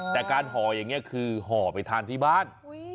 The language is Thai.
แต่การห่ออย่างนี้คือห่อไปทานที่บ้าน